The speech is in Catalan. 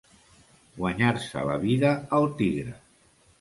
Guanyar-se la vida al tigre.